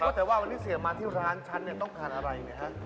ศ์เต็มว่าวันนี้เศรษฐ์มาที่ร้านฉันเนี่ยต้องการอะไร